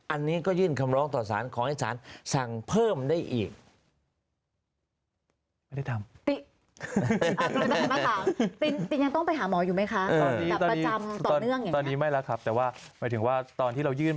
อันนี้ก็ยื่นคำร้องต่อสารของอาจารย์